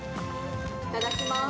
いただきます。